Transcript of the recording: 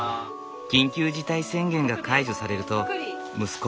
緊急事態宣言が解除されると息子